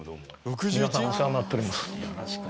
皆さんお世話になっております。